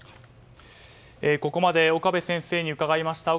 ここまで岡部先生に伺いました。